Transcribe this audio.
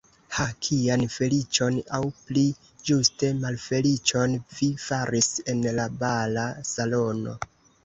Ha, kian feliĉon, aŭ pli ĝuste malfeliĉon, vi faris en la bala salono!